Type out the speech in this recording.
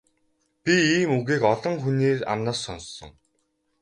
Би ийм үгийг олон хүний амнаас сонссон.